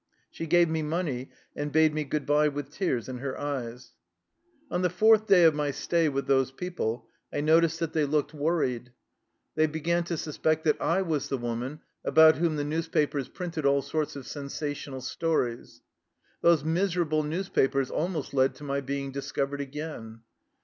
She gave me money and bade me good by with tears in her eyes. On the fourth day of my stay with those peo ple, I noticed that they looked worried. They 214 THE LIFE STOEY OF A RUSSIAN EXILE began to suspect that I was the woman about whom the newspapers printed all sorts of sen sational stories. Those miserable newspapers almost led to my being discovered again.